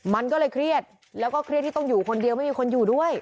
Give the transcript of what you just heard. มันก็เลยเครียดแล้วก็เครียดที่ต้องอยู่คนเดียวไม่มีคนอยู่ด้วย